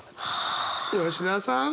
吉澤さん。